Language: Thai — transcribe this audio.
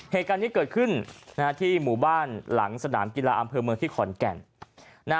เหตุการณ์นี้เกิดขึ้นที่หมู่บ้านหลังสนามกีฬาอำเภอเมืองที่ขอนแก่น